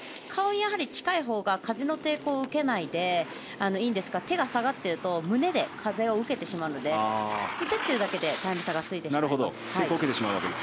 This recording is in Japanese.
顔に近いほうが風の抵抗を受けずいいんですが手が下がっていると胸で風を受けてしまうので滑っているだけでタイム差がつきます。